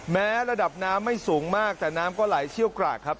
แม้ระดับน้ำไม่สูงมากแต่น้ำก็ไหลเชี่ยวกรากครับ